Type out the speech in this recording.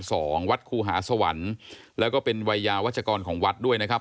สองวัดครูหาสวรรค์แล้วก็เป็นวัยยาวัชกรของวัดด้วยนะครับ